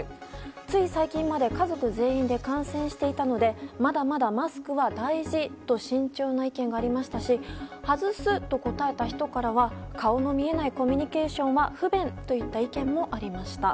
つい最近まで家族全員で感染していたのでまだまだ、マスクは大事と慎重な意見がありましたし外すと答えた人からは顔の見えないコミュニケーションは不便といった意見もありました。